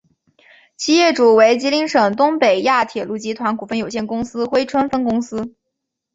现在业主为吉林省东北亚铁路集团股份有限公司珲春分公司。